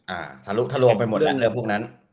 อ่าทะลุกทะลวงไปหมดแล้วพวกนั้น